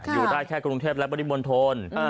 อยู่ได้แค่กรุงเทพและปริมณฑล